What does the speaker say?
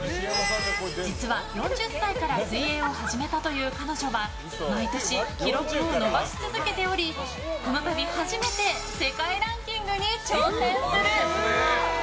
実は４０歳から水泳を始めたという彼女は毎年記録を伸ばし続けておりこの度、初めて世界ランキングに挑戦する！